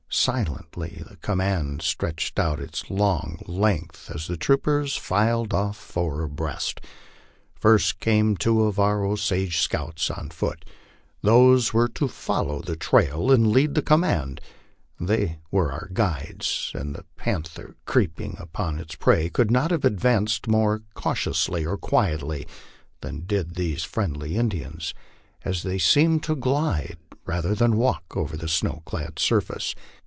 Silently the command stretched out its long length as the troopers filed off four abreast. First came two of our Osage scouts on foot; these were to follow the trail and lead the command; they were our guides, and the panther, creeping upon its prey, could not have advanced more cau tiously or quietly than did these friendly Indians, as they seemed to glide rather than walk over the snow clad surface.